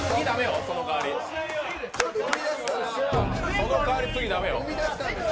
その代わり、次、駄目よ。